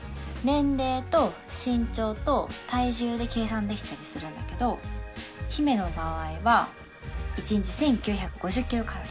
年齢と身長と体重で計算できたりするんだけど陽芽の場合はえっ？